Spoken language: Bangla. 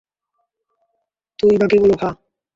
তুই বাকিগুলো খা।